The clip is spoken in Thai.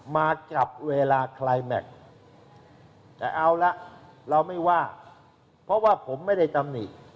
มากลับเวลาคลายแม็กซ์แต่เอาละเราไม่ว่าเพราะว่าผมไม่ได้ตำหนิ